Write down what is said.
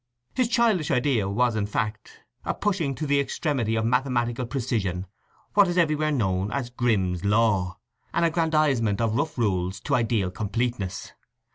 His childish idea was, in fact, a pushing to the extremity of mathematical precision what is everywhere known as Grimm's Law—an aggrandizement of rough rules to ideal completeness.